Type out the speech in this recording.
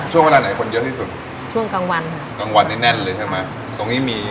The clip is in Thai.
ช่วงเวลาไหนคนเยอะที่สุดช่วงกลางวันค่ะกลางวันนี้แน่นเลยใช่ไหมตรงนี้มี